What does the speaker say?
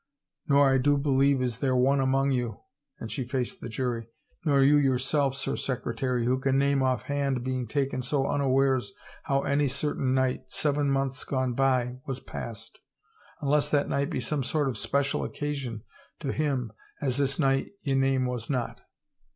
Nor I do believe is there one among you —" and she faced the jury —nor you yourself, sir secretary^ who can name oflFhand, being taken so un awares, how any certain night, seven months gone by, was passed — unless that night be some sort of special occasion to him as this night ye name was not.